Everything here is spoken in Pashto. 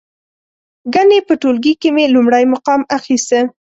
ګنې په ټولګي کې مې لومړی مقام اخسته.